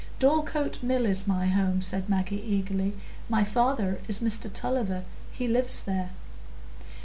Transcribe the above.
"Dorlcote Mill is my home," said Maggie, eagerly. "My father is Mr Tulliver; he lives there."